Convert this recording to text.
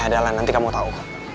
ya ada ala nanti kamu tahu